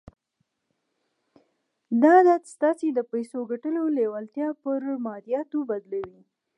دا عادت ستاسې د پيسو ګټلو لېوالتیا پر ماديياتو بدلوي.